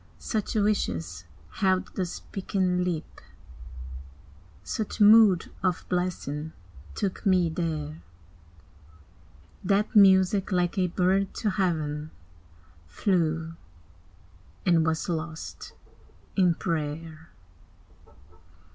Such wishes held the speaking lip, Such mood of blessing took me, there, That music, like a bird to heaven, Flew, and was lost in prayer.